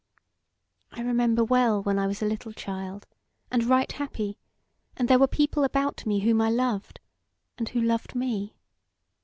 I remember well when I was a little child, and right happy, and there were people about me whom I loved, and who loved me.